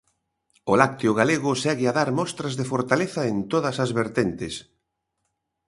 O lácteo galego segue a dar mostras de fortaleza en todas as vertentes.